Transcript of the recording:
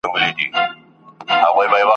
د ګل پر سیمه هر سبا راځمه ,